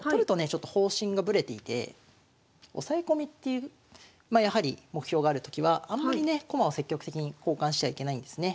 ちょっと方針がぶれていて押さえ込みっていうまあやはり目標があるときはあんまりね駒を積極的に交換しちゃいけないんですね。